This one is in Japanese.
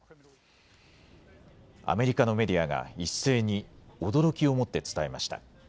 アメリカのメディアが一斉に驚きをもって伝えました。